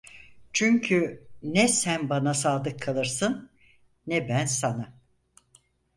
Çünkü ne sen bana sadık kalırsın, ne ben sana…